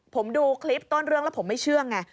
ผมดูคลิปต้นเรื่องแล้วผมไม่เชื่อไง